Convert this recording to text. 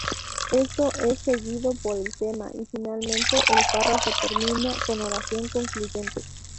Esto es seguido por el tema, y finalmente, el párrafo termina con oración concluyente.